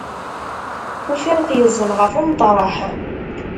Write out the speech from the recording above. Ufiɣ-t yeẓẓel ɣef umeṭreḥ.